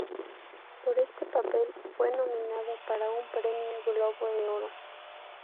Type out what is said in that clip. Por este papel fue nominado para un premio Globo de Oro.